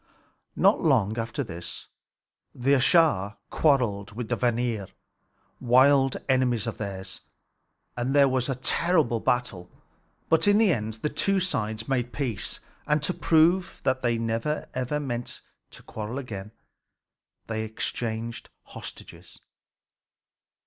Not long after this, the Æsir quarreled with the Vanir, wild enemies of theirs, and there was a terrible battle. But in the end the two sides made peace; and to prove that they meant never to quarrel again, they exchanged hostages.